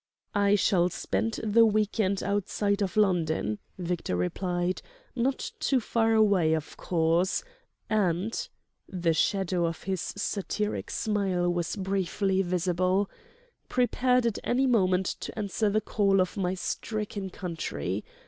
"I shall spend the week end outside of London," Victor replied, "not too far away, of course, and"—the shadow of his satiric smile was briefly visible—"prepared at any moment to answer the call of my stricken country....